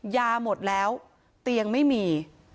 ยาหมดแล้วเตียงไม่มี